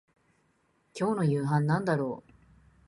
今日の夕飯なんだろう